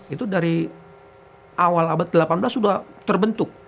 itu dari awal abad ke delapan belas sudah terbentuk